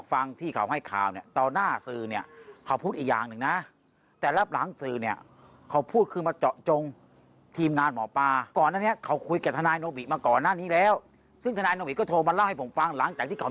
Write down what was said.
ฟังเสียงดูค่ะ